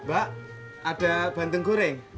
mbak ada banteng goreng